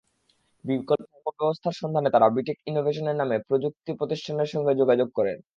বিকল্প ব্যবস্থার সন্ধানে তাঁরা বিটেক ইনোভেশন নামের প্রযুক্তি প্রতিষ্ঠানের সঙ্গে যোগাযোগ করেন।